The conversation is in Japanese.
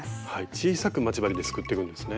小さく待ち針ですくっていくんですね。